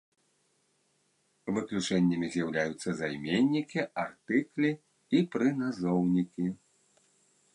Выключэннямі з'яўляюцца займеннікі, артыклі і прыназоўнікі.